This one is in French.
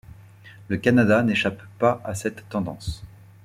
Le Canada n’échappe pas à cette tendance.